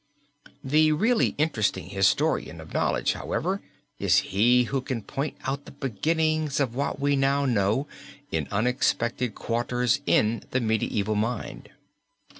The really interesting historian of knowledge, however, is he who can point out the beginnings of what we now know, in unexpected quarters in the medieval mind.